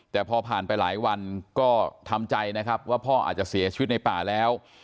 แต่พอผ่านไปหลายวันก็ทำใจนะครับว่าพ่ออาจจะเสียชีวิตในป่าแล้ว